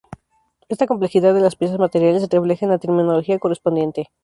Esta complejidad de las piezas materiales se refleja en la terminología correspondiente.